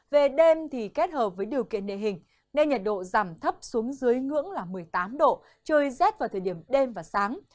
về đêm thì kết hợp với điều kiện địa hình nên nhiệt độ giảm thấp xuống dưới ngưỡng là một mươi tám độ trời rét vào thời điểm đêm và sáng